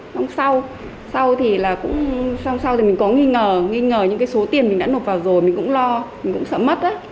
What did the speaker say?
lúc sau thì mình có nghi ngờ nghi ngờ những số tiền mình đã nộp vào rồi mình cũng lo mình cũng sợ mất